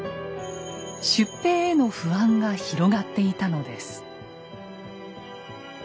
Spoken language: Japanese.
出兵への不安が広がっていたのです。